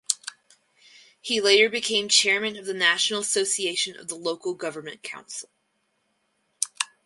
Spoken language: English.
He later became chairman of the National Association of the Local Government Council.